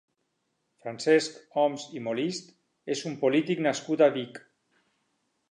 Francesc Homs i Molist és un polític nascut a Vic.